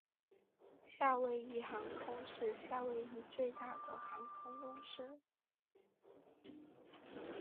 夏威夷航空是夏威夷最大的航空公司。